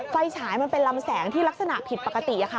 ไฟฉายมันเป็นลำแสงที่ลักษณะผิดปกติค่ะ